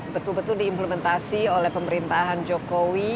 betul betul diimplementasi oleh pemerintahan jokowi